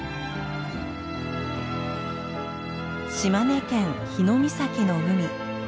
島根県日御碕の海。